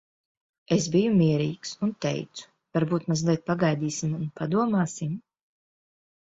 Es biju mierīgs. Un teicu, "Varbūt mazliet pagaidīsim un padomāsim?